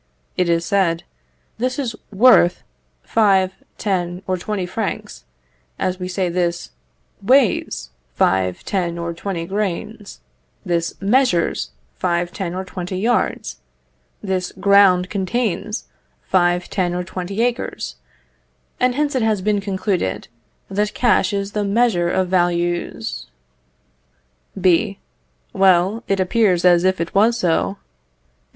It is said, this is worth five, ten, or twenty francs, as we say this weighs five, ten, or twenty grains; this measures five, ten, or twenty yards; this ground contains five, ten, or twenty acres; and hence it has been concluded, that cash is the measure of values. B. Well, it appears as if it was so.